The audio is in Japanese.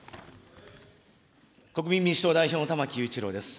国民民主党代表の玉木雄一郎です。